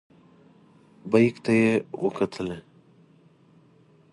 بیک ته یې وکتلې.